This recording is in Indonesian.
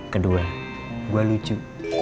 kedua gue lucu